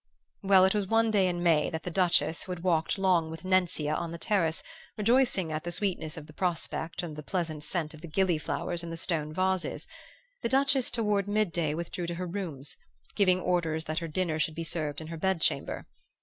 "Well, it was one day in May that the Duchess, who had walked long with Nencia on the terrace, rejoicing at the sweetness of the prospect and the pleasant scent of the gilly flowers in the stone vases, the Duchess toward midday withdrew to her rooms, giving orders that her dinner should be served in her bed chamber.